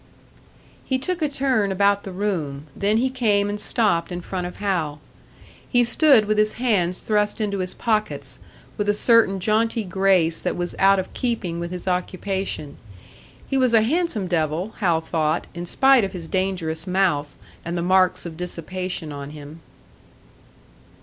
He took a turn about the room, then he came and stopped in front of Hal. He stood with his hands thrust into his pockets, with a certain jaunty grace that was out of keeping with his occupation. He was a handsome devil, Hal thought in spite of his dangerous mouth, and the marks of dissipation on him.